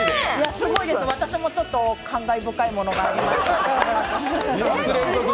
すごいです、私もちょっと感慨深いものがあります。